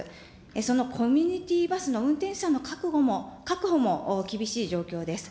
そのコミュニティバスの運転手さんの確保も厳しい状況です。